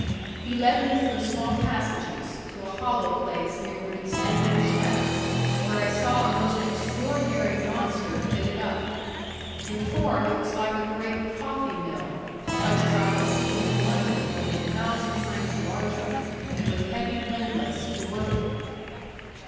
He led me through small passages, to a hollow place near the descending shaft, where I saw a most extraordinary monster fitted up. In form it was like a great coffee mill, such as I had seen in London, only a thousand times larger, and with heavy windlass to work it.